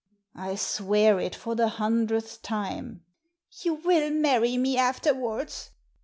I swear it for the hundredth time !"" You will marry me afterwards